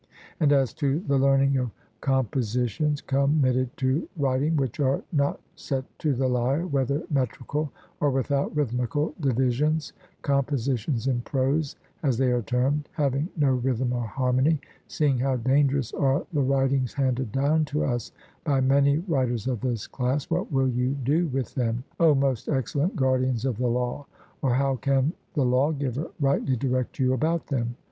And as to the learning of compositions committed to writing which are not set to the lyre, whether metrical or without rhythmical divisions, compositions in prose, as they are termed, having no rhythm or harmony seeing how dangerous are the writings handed down to us by many writers of this class what will you do with them, O most excellent guardians of the law? or how can the lawgiver rightly direct you about them?